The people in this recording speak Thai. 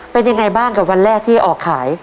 เป็นยังไงบ้างกับวันแรกที่ออกขาย